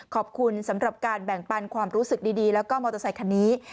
ขอบคุณสำหรับการแบ่งปันความรู้สึกดีแล้วก็มอเตอร์ไซคันนี้